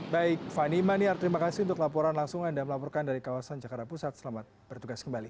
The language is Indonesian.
baik fani maniar terima kasih untuk laporan langsung anda melaporkan dari kawasan jakarta pusat selamat bertugas kembali